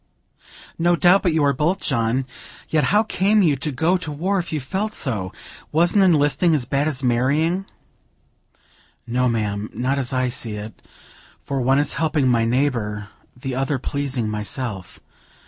"No doubt but you are both, John; yet how came you to go to war, if you felt so? Wasn't enlisting as bad as marrying?" "No, ma'am, not as I see it, for one is helping my neighbor, the other pleasing myself.